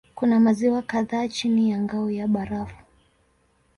Kuna maziwa kadhaa chini ya ngao ya barafu.